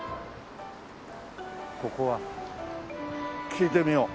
ここは聞いてみよう。